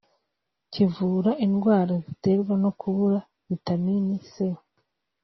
kivura indwara ziterwa no kubura vitamini C